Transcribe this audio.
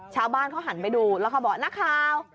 ชาวบ้านเขาหันไปดูแล้วเขาบอกนักข่าว